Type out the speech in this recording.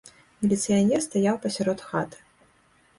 Міліцыянер стаяў пасярод хаты.